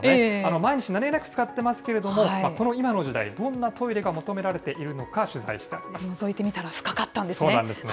毎日、何気なく使ってますけれども、この今の時代、どんなトイレが求められているのか、取材してのぞいてみたら深かったんでそうなんですね。